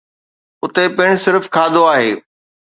اتي پڻ صرف کاڌو آهي.